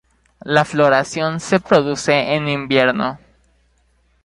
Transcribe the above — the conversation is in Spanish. La floración se produce en invierno.